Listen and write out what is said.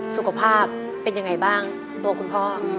สุขภาพเป็นยังไงบ้างตัวคุณพ่อ